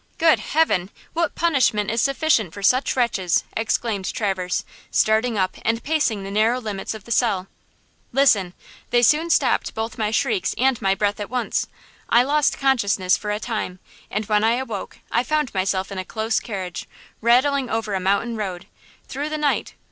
"Good heaven! What punishment is sufficient for such wretches!" exclaimed Traverse, starting up and pacing the narrow limits of the cell. "Listen! They soon stopped both my shrieks and my breath at once. I lost consciousness for a time, and when I awoke I found myself in a close carriage, rattling over a mountain road, through the night.